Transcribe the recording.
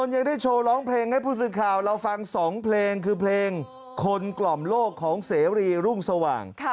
อย่างนั้นผู้สึกข่าวเราฟังสองเพลงคือเพลงคนกล่อมโลกของเสรีรุ่งสว่าง